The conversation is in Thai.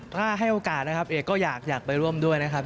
ถ้าให้โอกาสนะครับเอกก็อยากไปร่วมด้วยนะครับ